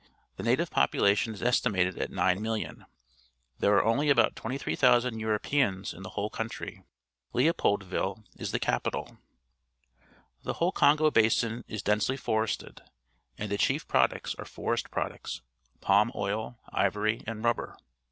The native population is estimated at 9,000,000. There are only about 23,000 Europeans in the whole country. Leopoldville is the capital. The whole Congo basin is densely forested, and the chief products are forest products — palm oil, ivory, and rubber.